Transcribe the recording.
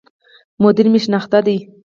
مدير مي شناخته دی